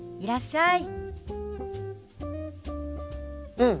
うん！